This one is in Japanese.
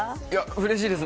うれしいです。